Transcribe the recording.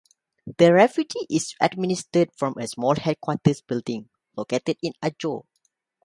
The refuge is administered from a small headquarters building, located in Ajo.